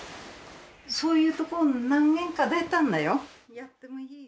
そういうとこ何軒か出たんだよ。